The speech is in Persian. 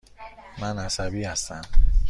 من عصبی هستم.